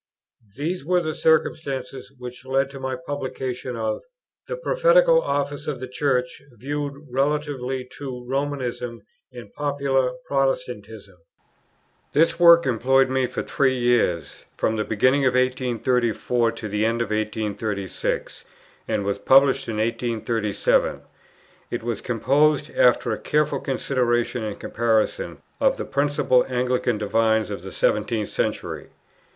These were the circumstances, which led to my publication of "The Prophetical office of the Church viewed relatively to Romanism and Popular Protestantism." This work employed me for three years, from the beginning of 1834 to the end of 1836, and was published in 1837. It was composed, after a careful consideration and comparison of the principal Anglican divines of the 17th century.